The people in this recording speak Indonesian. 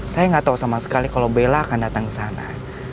saya nggak tahu sama sekali kalau bella akan datang ke sana